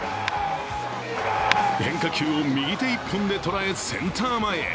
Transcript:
変化球を右手一本で捉え、センター前へ。